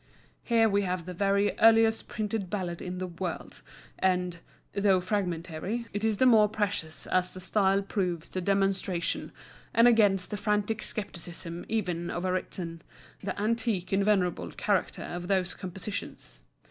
Here we have the very earliest printed ballad in the world, and, though fragmentary, it is the more precious as the style proves to demonstration, and against the frantic scepticism even of a Ritson, the antique and venerable character of those compositions.